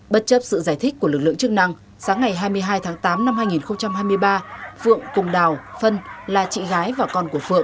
bất chấp sự giải thích của lực lượng chức năng sáng ngày hai mươi hai tháng tám năm hai nghìn hai mươi ba phượng cùng đào phân là chị gái và con của phượng